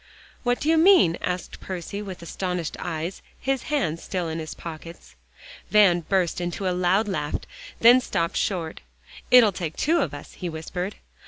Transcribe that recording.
"What do you mean?" asked Percy, with astonished eyes, his hands still in his pockets. Van burst into a loud laugh, then stopped short. "It'll take two of us," he whispered.